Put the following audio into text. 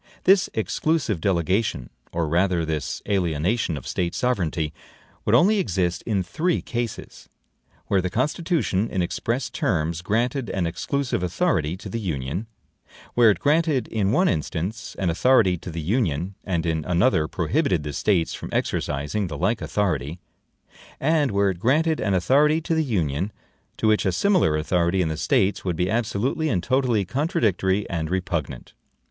This exclusive delegation, or rather this alienation, of State sovereignty, would only exist in three cases: where the Constitution in express terms granted an exclusive authority to the Union; where it granted in one instance an authority to the Union, and in another prohibited the States from exercising the like authority; and where it granted an authority to the Union, to which a similar authority in the States would be absolutely and totally CONTRADICTORY and REPUGNANT.